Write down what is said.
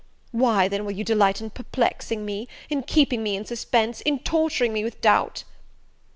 Why, then, will you delight in perplexing me? in keeping me in suspense? in torturing me with doubt?"